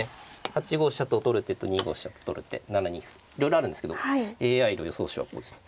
８五飛車と取る手と２五飛車と取る手７二歩いろいろあるんですけどＡＩの予想手はこうですね。